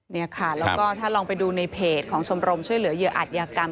นี่ค่ะแล้วก็ถ้าลองไปดูในเพจของชมรมช่วยเหลือเหยื่ออัตยากรรม